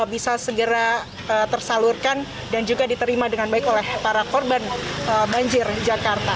bisa segera tersalurkan dan juga diterima dengan baik oleh para korban banjir jakarta